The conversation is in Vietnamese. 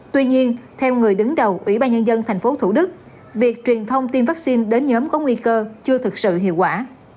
tuy nhiên theo người đứng đầu ủy ban nhân dân tp thủ đức việc truyền thông tiêm vaccine đến nhóm có nguy cơ chưa thực sự hiệu quả